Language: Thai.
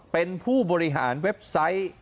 เป็นผู้บริหารเว็บไซต์